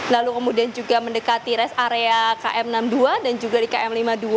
lalu kemudian juga mendekati rest area km enam puluh dua dan juga di km lima puluh dua